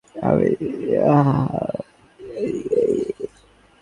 বৃহস্পতিবার রাতে এ সংক্রান্ত অফিস আদেশ জারি করা হয়।